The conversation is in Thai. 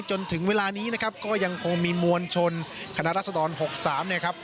จนถึงเวลานี้นะครับก็ยังคงมีมวลชนคณะรัศดร๖๓เนี่ยครับ